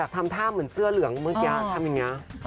ทำท่าเหมือนเสื้อเหลืองเมื่อกี้ทำอย่างนี้